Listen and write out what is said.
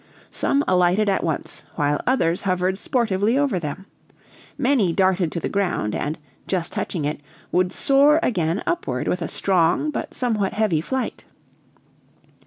"Some alighted at once, while others hovered sportively over them. Many darted to the ground, and, just touching it, would soar again upward with a strong but somewhat heavy flight.